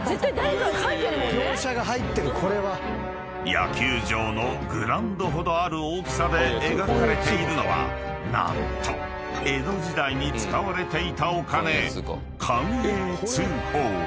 ［野球場のグラウンドほどある大きさで描かれているのは何と江戸時代に使われていたお金］